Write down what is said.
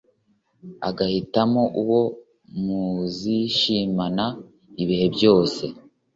ugahitamo uwo muzishimana ibihe byose